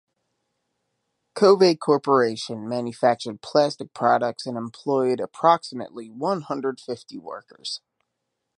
Covey Corporation manufactured plastic products and employed approximately one hundred fifty workers.